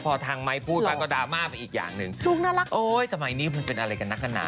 พอทางไมค์พูดไปก็ดราม่าเป็นอีกอย่างหนึ่งโอ๊ยทำไมนี่มันเป็นอะไรกันนักกันหนา